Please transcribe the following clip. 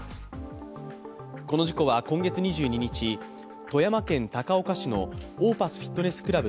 この事故は今月２２日富山県高岡市のオーパスフィットネスクラブ